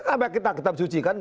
iya slogan itu kita mesti cuci kan